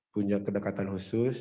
punya kedekatan khusus